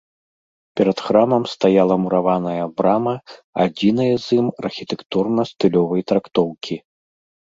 Перад храмам стаяла мураваная брама адзінай з ім архітэктурна-стылёвай трактоўкі.